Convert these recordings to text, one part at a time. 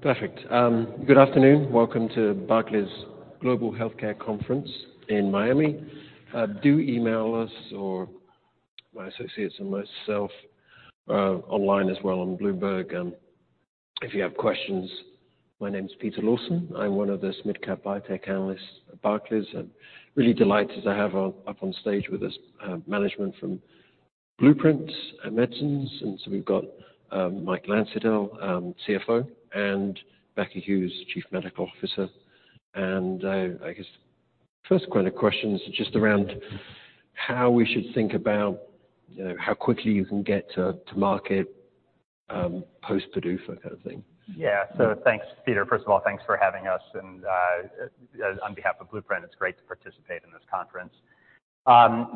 Perfect. Good afternoon. Welcome to Barclays Global Healthcare Conference in Miami. Do email us or my associates and myself online as well on Bloomberg, if you have questions. My name is Peter Lawson. I'm one of the SMID-cap biotech analysts at Barclays. Really delighted to have on, up on stage with us management from Blueprint Medicines. We've got Mike Landsittel, CFO and Becker Hewes, Chief Medical Officer. I guess first kind of question is just around how we should think about, you know, how quickly you can get to market post PDUFA kind of thing. Thanks, Peter. First of all, thanks for having us. On behalf of Blueprint, it's great to participate in this conference.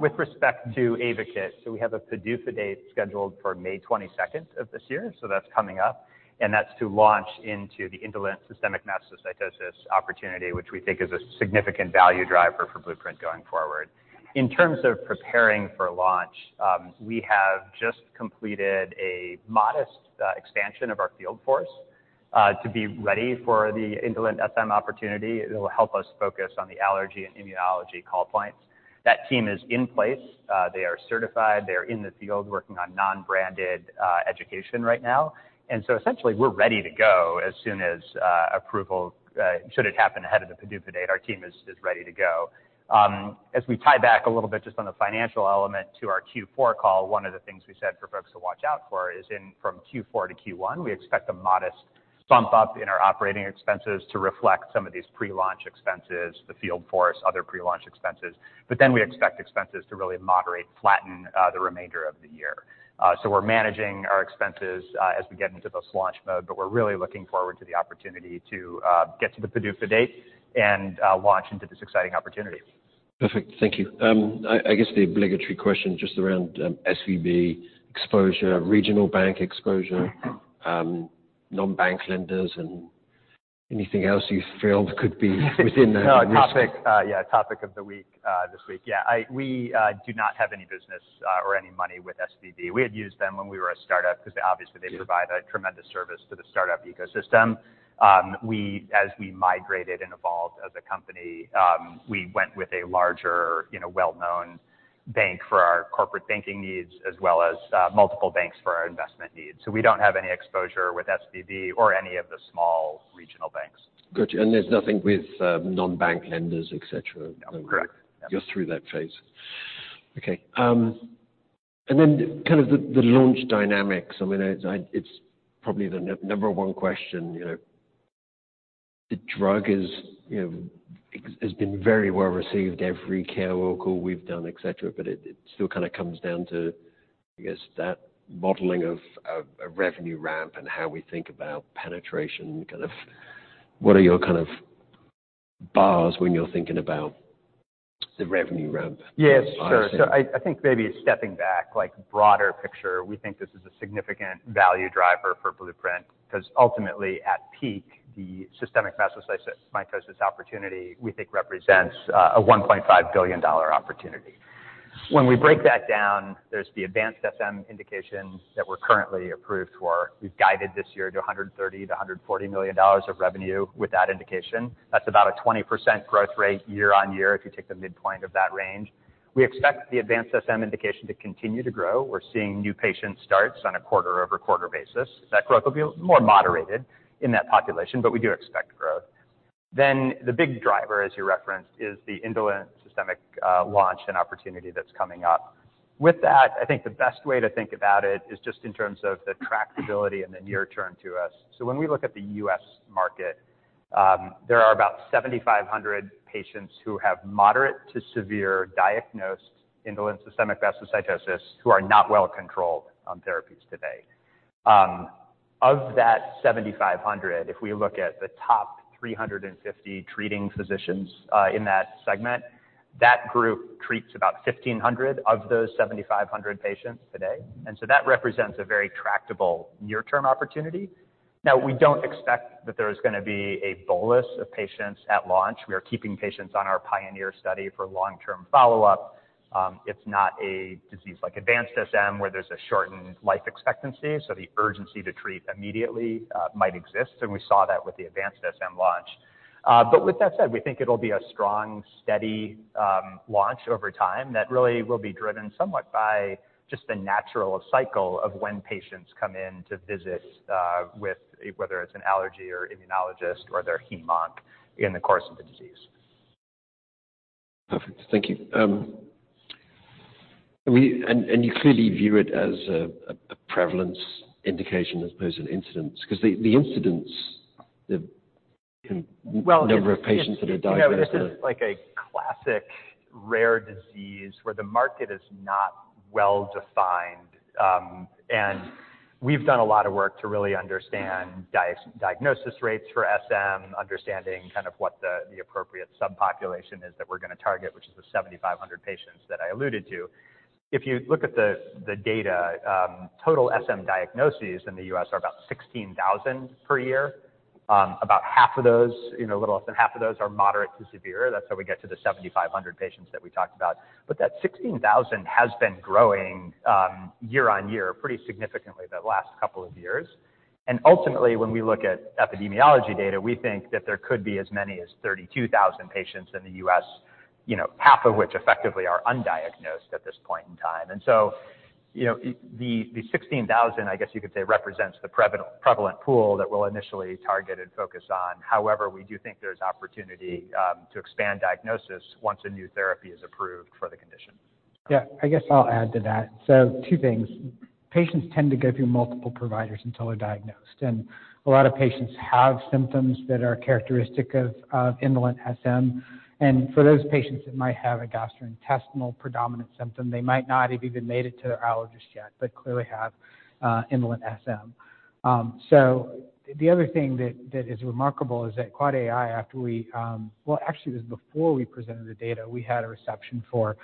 With respect to Ayvakit, we have a PDUFA date scheduled for May 22nd of this year, that's coming up. That's to launch into the indolent systemic mastocytosis opportunity, which we think is a significant value driver for Blueprint going forward. In terms of preparing for launch, we have just completed a modest expansion of our field force to be ready for the indolent SM opportunity. It will help us focus on the allergy and immunology call points. That team is in place. They are certified. They're in the field working on non-branded education right now. Essentially we're ready to go as soon as approval should it happen ahead of the PDUFA date, our team is ready to go. As we tie back a little bit just on the financial element to our Q4 call, one of the things we said for folks to watch out for from Q4 to Q1, we expect a modest bump up in our operating expenses to reflect some of these pre-launch expenses, the field force, other pre-launch expenses. We expect expenses to really moderate, flatten the remainder of the year. We're managing our expenses as we get into this launch mode, but we're really looking forward to the opportunity to get to the PDUFA date and launch into this exciting opportunity. Perfect. Thank you. I guess the obligatory question just around, SVB exposure, regional bank exposure, non-bank lenders, and anything else you feel could be within that risk. No. Topic, yeah, topic of the week, this week. Yeah. We do not have any business or any money with SVB. We had used them when we were a start-up because obviously they provide a tremendous service to the start-up ecosystem. As we migrated and evolved as a company, we went with a larger, you know, well-known bank for our corporate banking needs as well as multiple banks for our investment needs. We don't have any exposure with SVB or any of the small regional banks. Got you. There's nothing with, non-bank lenders, et cetera? No. Correct. You're through that phase. Okay. Then kind of the launch dynamics. I mean, it's probably the number one question. You know, the drug is, you know, has been very well received every care local we've done, et cetera. It still kind of comes down to, I guess, that modeling of a revenue ramp and how we think about penetration. Kind of what are your kind of bars when you're thinking about the revenue ramp for science, yeah. Yes. Sure. I think maybe stepping back, like, broader picture, we think this is a significant value driver for Blueprint because ultimately at peak, the systemic mastocytosis opportunity we think represents a $1.5 billion opportunity. When we break that down, there's the advanced SM indication that we're currently approved for. We've guided this year to $130 million-$140 million of revenue with that indication. That's about a 20% growth rate year-on-year if you take the midpoint of that range. We expect the advanced SM indication to continue to grow. We're seeing new patient starts on a quarter-over-quarter basis. That growth will be more moderated in that population, we do expect growth. The big driver, as you referenced, is the indolent systemic launch and opportunity that's coming up. With that, I think the best way to think about it is just in terms of the tractability and the near term to us. When we look at the U.S. market, there are about 7,500 patients who have moderate to severe diagnosed indolent systemic mastocytosis who are not well controlled on therapies today. Of that 7,500, if we look at the top 350 treating physicians in that segment, that group treats about 1,500 of those 7,500 patients today. That represents a very tractable near-term opportunity. We don't expect that there's gonna be a bolus of patients at launch. We are keeping patients on our PIONEER study for long-term follow-up. It's not a disease like advanced SM, where there's a shortened life expectancy, so the urgency to treat immediately might exist, and we saw that with the advanced SM launch. With that said, we think it'll be a strong, steady launch over time that really will be driven somewhat by just the natural cycle of when patients come in to visit with whether it's an allergy or immunologist or their hemoc in the course of the disease. Perfect. Thank you. You clearly view it as a prevalence indication as opposed to an incidence because the incidence, the number of patients that are diagnosed. Well, it's, you know, this is like a classic rare disease where the market is not well defined. We've done a lot of work to really understand diagnosis rates for SM, understanding kind of what the appropriate subpopulation is that we're gonna target, which is the 7,500 patients that I alluded to. If you look at the data, total SM diagnoses in the U.S. are about 16,000 per year. About half of those, you know, a little less than half of those are moderate to severe. That's how we get to the 7,500 patients that we talked about. That 16,000 has been growing, year-on-year pretty significantly the last couple of years. Ultimately, when we look at epidemiology data, we think that there could be as many as 32,000 patients in the U.S. You know, half of which effectively are undiagnosed at this point in time. You know, the 16,000, I guess you could say, represents the prevalent pool that we'll initially target and focus on. However, we do think there's opportunity to expand diagnosis once a new therapy is approved for the condition. Yeah. I guess I'll add to that. Two things, patients tend to go through multiple providers until they're diagnosed, and a lot of patients have symptoms that are characteristic of indolent SM. For those patients that might have a gastrointestinal predominant symptom, they might not have even made it to their allergist yet, but clearly have indolent SM. The other thing that is remarkable is at AAAAI. Well, actually, it was before we presented the data, we had a reception for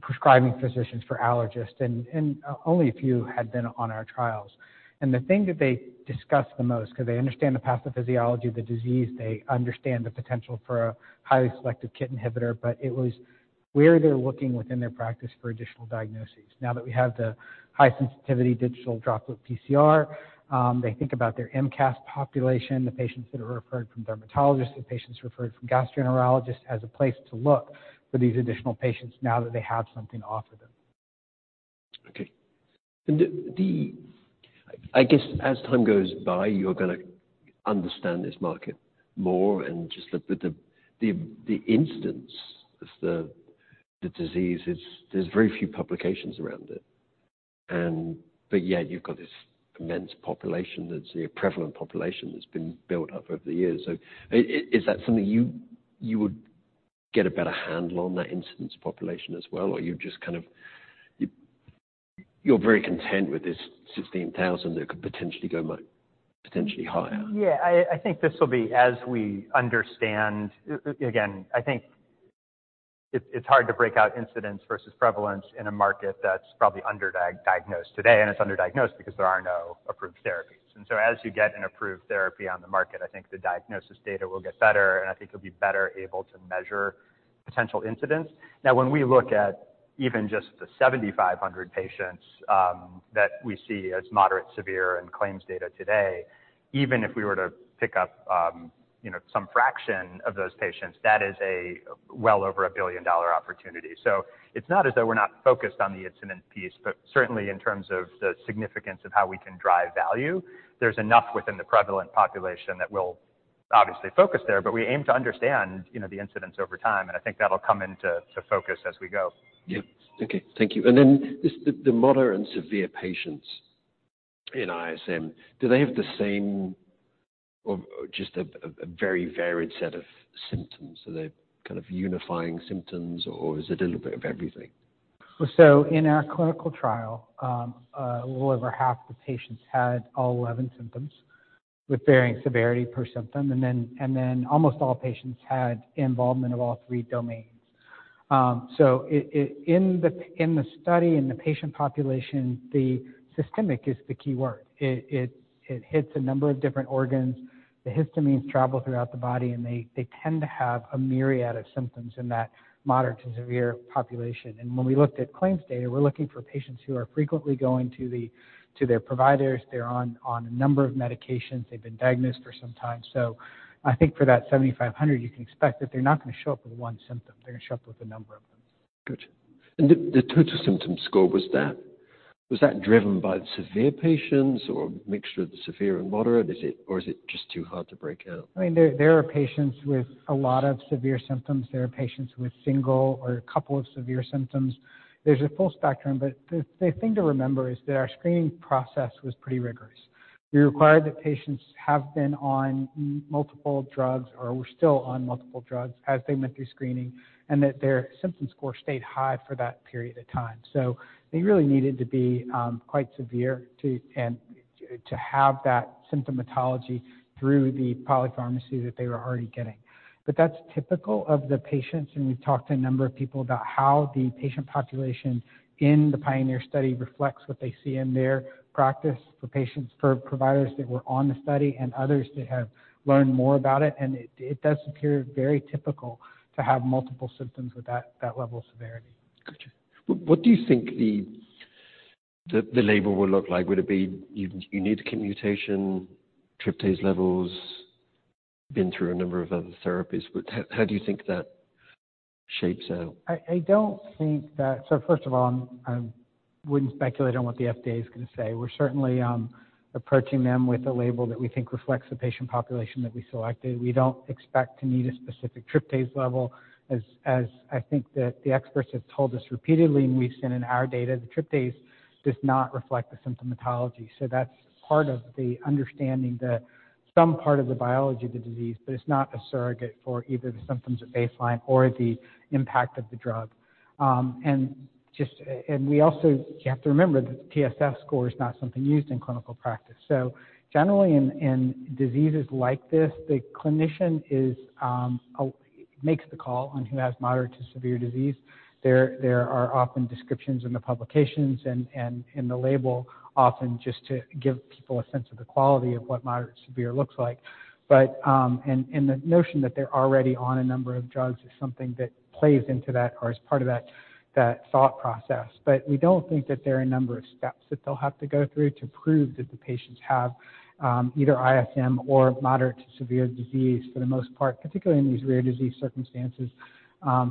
prescribing physicians for allergists, and only a few had been on our trials. The thing that they discussed the most, because they understand the pathophysiology of the disease, they understand the potential for a highly selective KIT inhibitor, but it was where they're looking within their practice for additional diagnoses. Now that we have the high sensitivity Droplet Digital PCR, they think about their MCAS population, the patients that are referred from dermatologists, the patients referred from gastroenterologists, as a place to look for these additional patients now that they have something to offer them. Okay. The I guess as time goes by, you're gonna understand this market more and just the incidence of the disease. There's very few publications around it. Yet you've got this immense population that's a prevalent population that's been built up over the years. Is that something you would get a better handle on that incidence population as well? You're just kind of, you're very content with this 16,000 that could potentially go potentially higher? Yeah. I think this will be as we understand... Again, I think it's hard to break out incidence versus prevalence in a market that's probably underdiagnosed today, and it's underdiagnosed because there are no approved therapies. As you get an approved therapy on the market, I think the diagnosis data will get better, and I think you'll be better able to measure potential incidence. Now, when we look at even just the 7,500 patients that we see as moderate, severe in claims data today, even if we were to pick up, you know, some fraction of those patients, that is a well over a $1 billion opportunity. It's not as though we're not focused on the incident piece, but certainly in terms of the significance of how we can drive value, there's enough within the prevalent population that we'll obviously focus there. We aim to understand, you know, the incidence over time, and I think that'll come into focus as we go. Yeah. Okay. Thank you. Then just the moderate and severe patients in ISM, do they have the same or just a very varied set of symptoms? Are they kind of unifying symptoms or is it a little bit of everything? In our clinical trial, a little over half the patients had all 11 symptoms with varying severity per symptom. Almost all patients had involvement of all three domains. In the study, in the patient population, the systemic is the key word. It hits a number of different organs. The histamines travel throughout the body, and they tend to have a myriad of symptoms in that moderate to severe population. When we looked at claims data, we're looking for patients who are frequently going to their providers. They're on a number of medications. They've been diagnosed for some time. I think for that 7,500, you can expect that they're not gonna show up with one symptom. They're gonna show up with a number of them. Gotcha. The Total Symptom Score, was that driven by the severe patients or mixture of the severe and moderate? Is it just too hard to break out? I mean, there are patients with a lot of severe symptoms. There are patients with single or a couple of severe symptoms. There's a full spectrum, but the thing to remember is that our screening process was pretty rigorous. We required that patients have been on multiple drugs or were still on multiple drugs as they went through screening, and that their symptom score stayed high for that period of time. They really needed to be quite severe to, and to have that symptomatology through the polypharmacy that they were already getting. That's typical of the patients, and we've talked to a number of people about how the patient population in the PIONEER study reflects what they see in their practice for patients, for providers that were on the study and others that have learned more about it. It does appear very typical to have multiple symptoms with that level of severity. Gotcha. What do you think the label will look like? Would it be you need a KIT mutation, tryptase levels, been through a number of other therapies? How do you think that shapes out? I don't think that. First of all, I wouldn't speculate on what the FDA is gonna say. We're certainly approaching them with a label that we think reflects the patient population that we selected. We don't expect to need a specific tryptase level as I think that the experts have told us repeatedly, and we've seen in our data, the tryptase does not reflect the symptomatology. That's part of the understanding that some part of the biology of the disease, but it's not a surrogate for either the symptoms at baseline or the impact of the drug. Just, you have to remember that the TSS score is not something used in clinical practice. Generally in diseases like this, the clinician is makes the call on who has moderate to severe disease. There are often descriptions in the publications and in the label often just to give people a sense of the quality of what moderate to severe looks like. And the notion that they're already on a number of drugs is something that plays into that or is part of that thought process. We don't think that there are a number of steps that they'll have to go through to prove that the patients have either ISM or moderate to severe disease for the most part, particularly in these rare disease circumstances.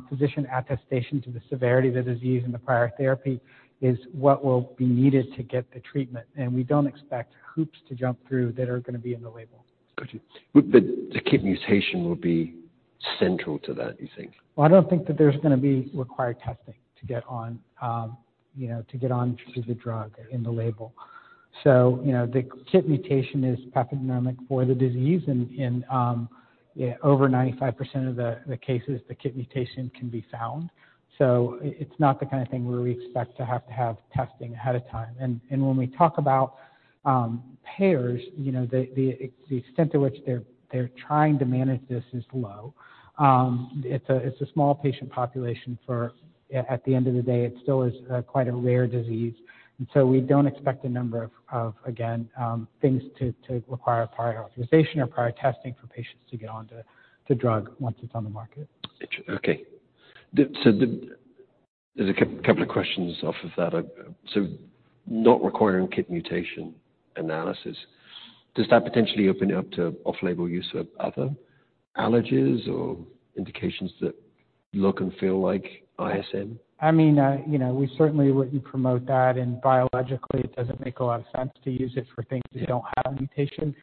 Physician attestation to the severity of the disease and the prior therapy is what will be needed to get the treatment. We don't expect hoops to jump through that are gonna be in the label. Got you. The KIT mutation will be central to that, you think? Well, I don't think that there's gonna be required testing to get on, you know, to get onto the drug in the label. You know, the KIT mutation is pathognomonic for the disease in over 95% of the cases, the KIT mutation can be found. It's not the kind of thing where we expect to have testing ahead of time. When we talk about payers, you know, the extent to which they're trying to manage this is low. It's a small patient population. At the end of the day, it still is quite a rare disease. We don't expect a number of, again, things to require prior authorization or prior testing for patients to get onto the drug once it's on the market. Okay. There's a couple of questions off of that. Not requiring KIT mutation analysis, does that potentially open it up to off-label use of other allergies or indications that look and feel like ISM? I mean, you know, we certainly wouldn't promote that, and biologically it doesn't make a lot of sense to use it for things that don't have a mutation.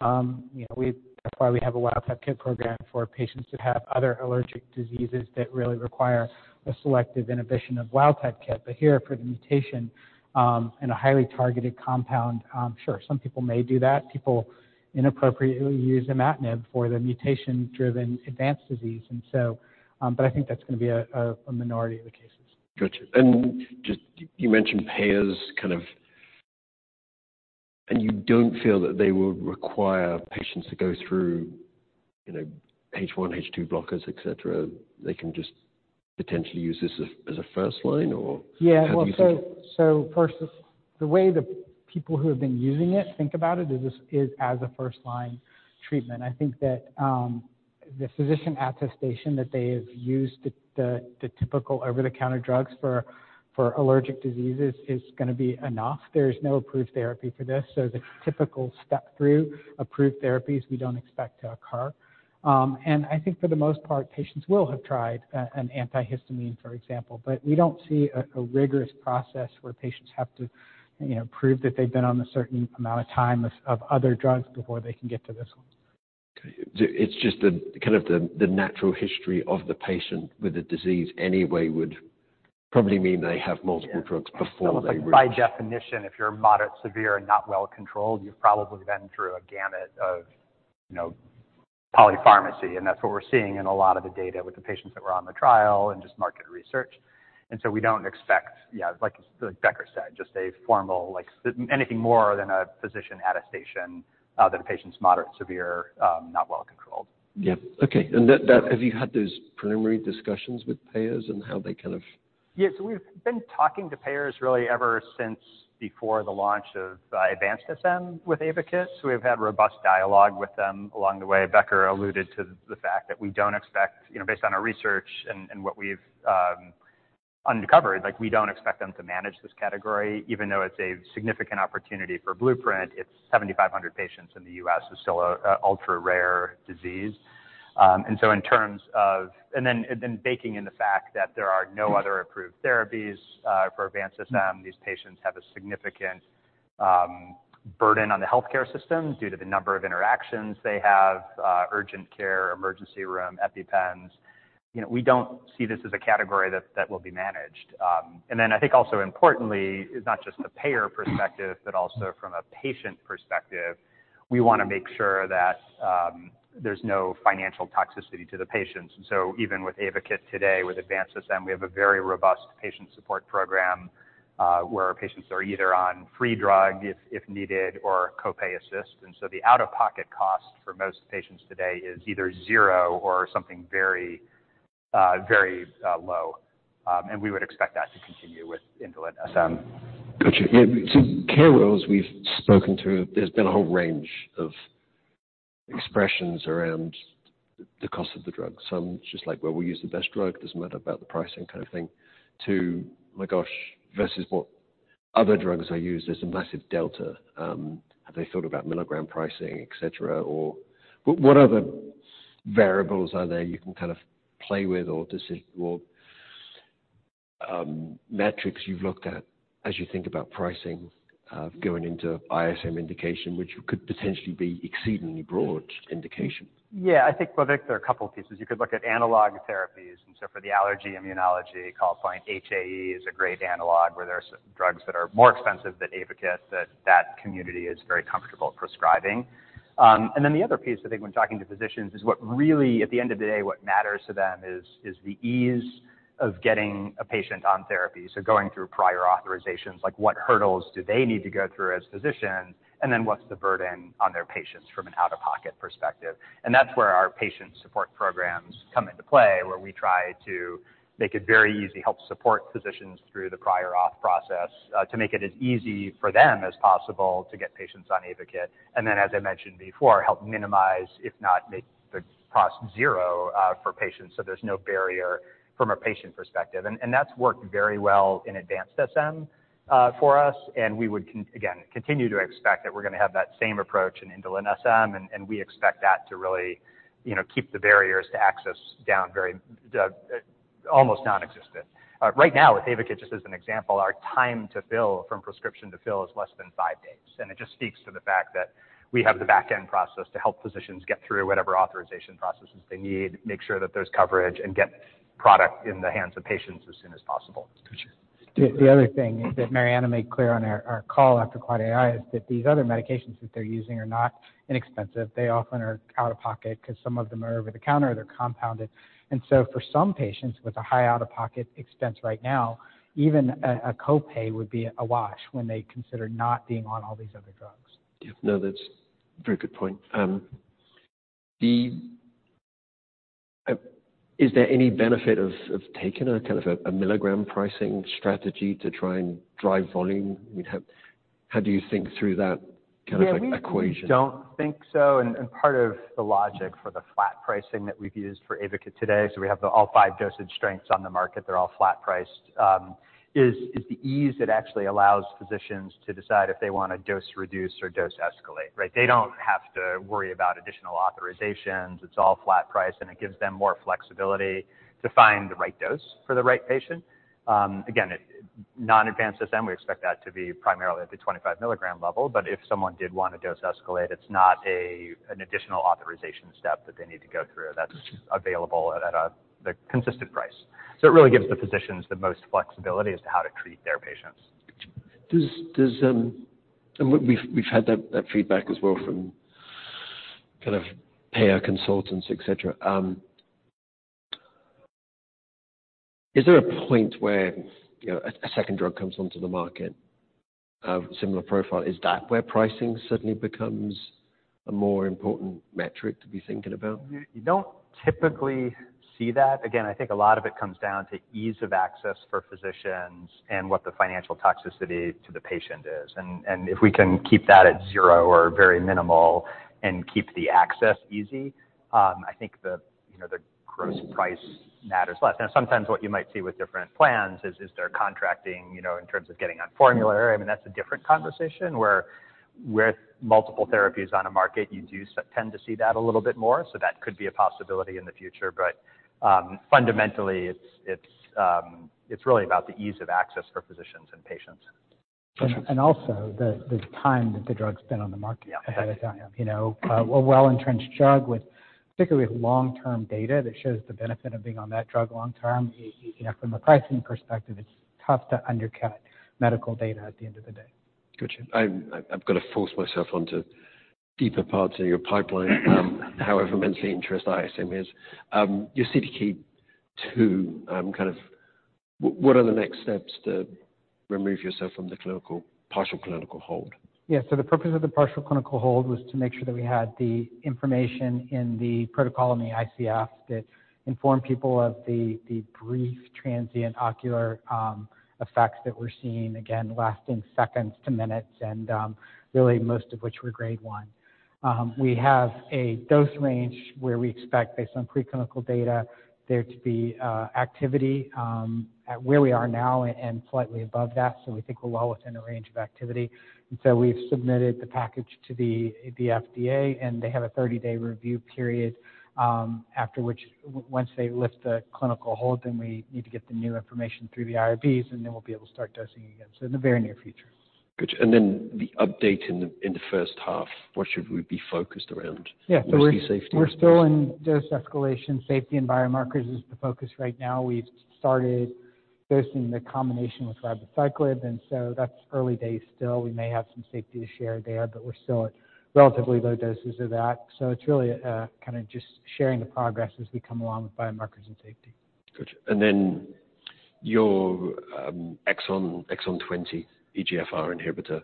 You know, that's why we have a wild-type KIT program for patients that have other allergic diseases that really require a selective inhibition of wild-type KIT. Here for the mutation, and a highly targeted compound, sure, some people may do that. People inappropriately use imatinib for the mutation-driven advanced disease. I think that's gonna be a minority of the cases. Got you. Just you mentioned payers, kind of, you don't feel that they will require patients to go through, you know, H1, H2 blockers, et cetera, they can just potentially use this as a first line? First, the way the people who have been using it think about it is this is as a first-line treatment. I think that the physician attestation that they have used the typical over-the-counter drugs for allergic diseases is gonna be enough. There's no approved therapy for this, the typical step through approved therapies we don't expect to occur. I think for the most part, patients will have tried an antihistamine, for example. We don't see a rigorous process where patients have to, you know, prove that they've been on a certain amount of time of other drugs before they can get to this one. Okay. It's just the, kind of the natural history of the patient with the disease anyway would probably mean they have multiple drugs before they reach- By definition, if you're moderate, severe, and not well controlled, you've probably been through a gamut of, you know, polypharmacy, and that's what we're seeing in a lot of the data with the patients that were on the trial and just market research. We don't expect like Becker said, just a formal anything more than a physician attestation that a patient's moderate, severe, not well controlled. Yeah. Okay. That... Have you had those preliminary discussions with payers and how they kind of- Yeah. We've been talking to payers really ever since before the launch of advanced SM with Ayvakit. We've had robust dialogue with them along the way. Becker alluded to the fact that we don't expect, you know, based on our research and what we've uncovered, like, we don't expect them to manage this category, even though it's a significant opportunity for Blueprint. It's 7,500 patients in the U.S., it's still a ultra-rare disease. In terms of... Then, baking in the fact that there are no other approved therapies for advanced SM, these patients have a significant burden on the healthcare system due to the number of interactions they have, urgent care, emergency room, EpiPen. You know, we don't see this as a category that will be managed. Then I think also importantly, it's not just the payer perspective, but also from a patient perspective, we want to make sure that there's no financial toxicity to the patients. Even with Ayvakit today, with advanced SM, we have a very robust patient support program, where our patients are either on free drug if needed, or copay assist. The out-of-pocket cost for most patients today is either zero or something very, very low. We would expect that to continue with indolent SM. Got you. Yeah. K roles we've spoken to, there's been a whole range of expressions around the cost of the drug. Some it's just like, "Well, we use the best drug, doesn't matter about the pricing," kind of thing, to, "My gosh, versus what other drugs I use, there's a massive delta." Have they thought about milligram pricing, et cetera? Or what other variables are there you can kind of play with or metrics you've looked at as you think about pricing going into ISM indication, which could potentially be exceedingly broad indication? I think, Becker, there are a couple pieces. You could look at analog therapies, for the allergy immunology, Calcine HAE is a great analog where there are certain drugs that are more expensive than Ayvakit that that community is very comfortable prescribing. The other piece, I think, when talking to physicians is what really, at the end of the day, what matters to them is the ease of getting a patient on therapy. Going through prior authorizations, like what hurdles do they need to go through as physicians, and then what's the burden on their patients from an out-of-pocket perspective. That's where our patient support programs come into play, where we try to make it very easy, help support physicians through the prior auth process, to make it as easy for them as possible to get patients on Ayvakit. As I mentioned before, help minimize, if not make the cost zero, for patients, so there's no barrier from a patient perspective. That's worked very well in advanced SM for us, and we would continue to expect that we're gonna have that same approach in indolent SM, and we expect that to really, you know, keep the barriers to access down very almost non-existent. Right now with Ayvakit, just as an example, our time to fill from prescription to fill is less than 5 days. It just speaks to the fact that we have the back-end process to help physicians get through whatever authorization processes they need, make sure that there's coverage, and get product in the hands of patients as soon as possible. Got you. The other thing that Mariana made clear on our call after Claudia Eye is that these other medications that they're using are not inexpensive. They often are out-of-pocket 'cause some of them are over the counter, they're compounded. For some patients with a high out-of-pocket expense right now, even a co-pay would be a wash when they consider not being on all these other drugs. Yeah. No, that's a very good point. Is there any benefit of taking a kind of a milligram pricing strategy to try and drive volume? I mean, how do you think through that kind of equation? We don't think so, part of the logic for the flat pricing that we've used for Ayvakit today, so we have the all five dosage strengths on the market, they're all flat priced, is the ease it actually allows physicians to decide if they wanna dose reduce or dose escalate, right? They don't have to worry about additional authorizations. It's all flat price. It gives them more flexibility to find the right dose for the right patient. Again, non-advanced SM, we expect that to be primarily at the 25 milligram level, but if someone did wanna dose escalate, it's not a, an additional authorization step that they need to go through. That's available at a, the consistent price. It really gives the physicians the most flexibility as to how to treat their patients. Got you. We've had that feedback as well from kind of payer consultants, et cetera. Is there a point where, you know, a second drug comes onto the market of similar profile, is that where pricing suddenly becomes a more important metric to be thinking about? You don't typically see that. Again, I think a lot of it comes down to ease of access for physicians and what the financial toxicity to the patient is. And if we can keep that at zero or very minimal and keep the access easy, I think the, you know, the gross price matters less. Now, sometimes what you might see with different plans is they're contracting, you know, in terms of getting on formulary. I mean, that's a different conversation where with multiple therapies on a market you do tend to see that a little bit more, so that could be a possibility in the future. But fundamentally, it's really about the ease of access for physicians and patients. Got you. Also the time that the drug's been on the market. Yeah. You know, a well-entrenched drug with particularly long-term data that shows the benefit of being on that drug long term, you know, from a pricing perspective, it's tough to undercut medical data at the end of the day. Got you. I've gotta force myself onto deeper parts of your pipeline, however much the interest ISM is. Your CDK2, kind of what are the next steps to remove yourself from the partial clinical hold? The purpose of the partial clinical hold was to make sure that we had the information in the protocol and the ICF that informed people of the brief transient ocular effects that we're seeing, again, lasting seconds to minutes and really most of which were grade 1. We have a dose range where we expect based on preclinical data there to be activity at where we are now and slightly above that, so we think we're well within a range of activity. We've submitted the package to the FDA, and they have a 30-day review period, after which once they lift the clinical hold, then we need to get the new information through the IRBs, and then we'll be able to start dosing again. In the very near future. Got you. Then the update in the, in the first half, what should we be focused around? Yeah. Mostly safety. We're still in dose escalation. Safety and biomarkers is the focus right now. That's early days still. We've started dosing the combination with KISQALI. We may have some safety to share there, but we're still at relatively low doses of that. It's really, kinda just sharing the progress as we come along with biomarkers and safety. Got you. Your exon 20 EGFR inhibitor,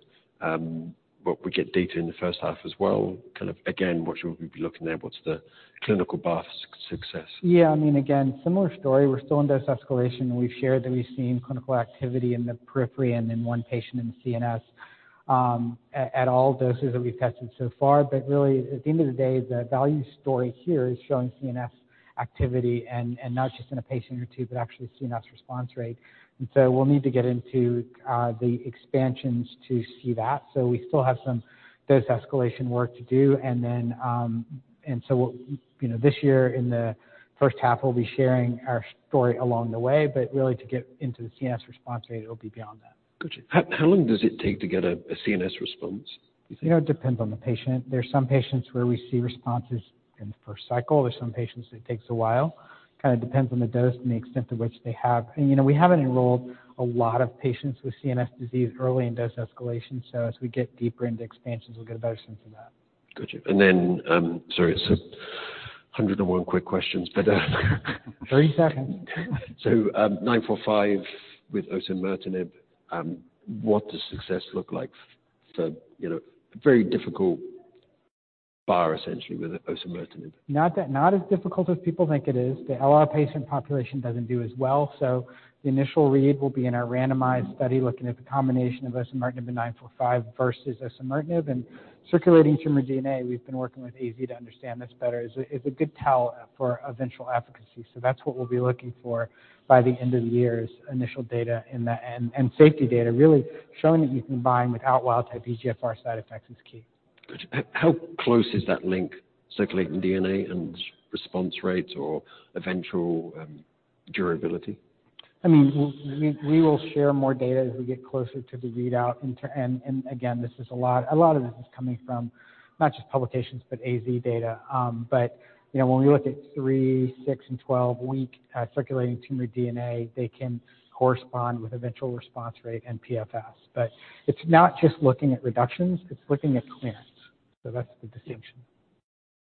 what we get data in the first half as well, kind of again, what should we be looking at? What's the clinical path success? I mean, again, similar story. We're still in dose escalation. We've shared that we've seen clinical activity in the periphery and in one patient in the CNS at all doses that we've tested so far. But really, at the end of the day, the value story here is showing CNS activity and not just in a patient or two, but actually CNS response rate. We'll need to get into the expansions to see that. We still have some dose escalation work to do. Then, you know, this year in the first half, we'll be sharing our story along the way, but really to get into the CNS response rate, it'll be beyond that. Got you. How long does it take to get a CNS response, do you think? You know, it depends on the patient. There are some patients where we see responses in the first cycle. There are some patients it takes a while. Kinda depends on the dose and the extent to which they have... You know, we haven't enrolled a lot of patients with CNS disease early in dose escalation, so as we get deeper into expansions, we'll get a better sense of that. Got you. Sorry, it's 101 quick questions, but. 30 seconds. 945 with osimertinib, what does success look like for, you know, very difficult bar essentially with osimertinib? Not as difficult as people think it is. The LR patient population doesn't do as well. The initial read will be in our randomized study looking at the combination of osimertinib and 945 versus osimertinib. Circulating tumor DNA, we've been working with AZ to understand this better, is a good tell for eventual efficacy. That's what we'll be looking for by the end of the year is initial data in the and safety data really showing that you can bind without wild-type EGFR side effects is key. Got you. How close is that link, circulating DNA and response rates or eventual, durability? I mean, we will share more data as we get closer to the readout. Again, this is a lot of this is coming from not just publications, but AstraZeneca data. You know, when we look at three, six, and 12-week circulating tumor DNA, they can correspond with eventual response rate and PFS. It's not just looking at reductions, it's looking at clearance. That's the distinction.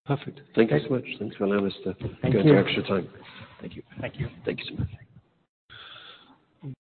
Perfect. Thank you so much. Thanks for allowing us. Thank you. Go into extra time. Thank you. Thank you. Thank you so much.